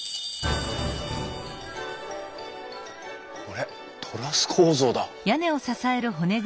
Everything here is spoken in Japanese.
これトラス構造だ！